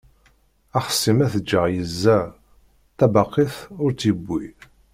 Axṣim ad t-ǧǧeɣ yezza, tabaqit ur tt-yewwi.